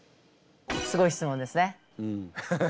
すごい質問ですね。